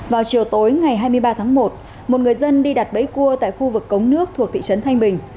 vào chiều tối ngày hai mươi ba tháng một một người dân đi đặt bẫy cua tại khu vực cống nước thuộc thị trấn thanh bình